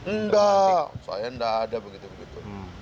enggak saya enggak ada begitu begitu